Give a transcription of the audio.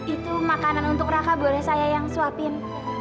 itu makanan untuk raka boleh saya yang suapin